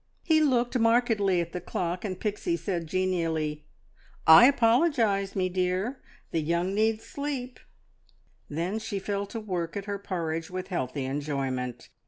He looked markedly at the clock, and Pixie said genially, "I apologise, me dear. The young need sleep!" Then she fell to work at her porridge with healthy enjoyment.